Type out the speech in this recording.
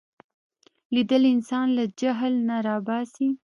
لیدل انسان له جهل نه را باسي